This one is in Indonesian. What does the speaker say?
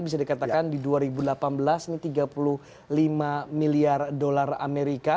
bisa dikatakan di dua ribu delapan belas ini tiga puluh lima miliar dolar amerika